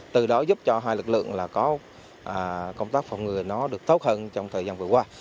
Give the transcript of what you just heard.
từ đó giúp cho hai lực lượng có công tác phòng người nó được tốt hơn trong thời gian vừa qua